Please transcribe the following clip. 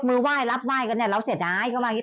อืมเจ้าสาวไม่อยากให้เป็นข่าวแต่งงานมาสิบสองปี